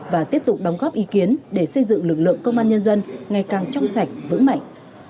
và tiếp tục đóng góp ý kiến để xây dựng lực lượng công an nhân dân ngày càng trong sạch vững mạnh